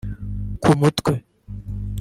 ku mutwe